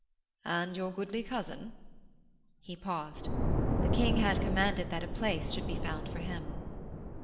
'And your goodly cousin?' He paused. The King had commanded that a place should be found for him.